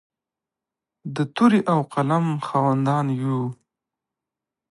د تورې او قلم خاوندان یو.